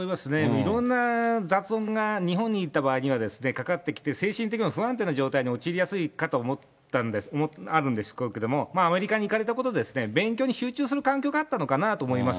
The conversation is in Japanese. いろんな雑音が、日本にいた場合にはかかってきて、精神的にも不安定な状態に陥りやすいかと思うんですけれども、アメリカに行かれたことで勉強に集中する環境があったのかなと思います。